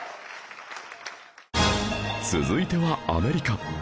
続いてはアメリカ